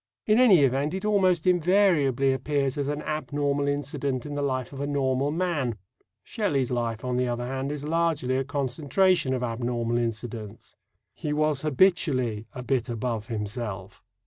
In any event it almost invariably appears as an abnormal incident in the life of a normal man. Shelley's life, on the other hand, is largely a concentration of abnormal incidents. He was habitually "a bit above himself."